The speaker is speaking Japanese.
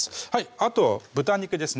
あと豚肉ですね